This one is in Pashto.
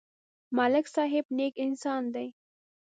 ملک صاحب نېک انسان دی.